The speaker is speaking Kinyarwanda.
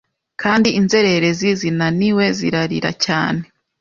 Kandi inzererezi zinaniwe zirarira cyane